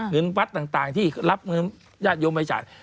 เงินวัดต่างที่รับเงินญาติโยมไปจ่าย